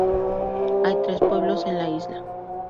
Hay tres pueblos en la isla.